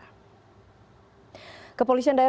kepolisian daerah jawa timur akan melakukan investigasi mendalam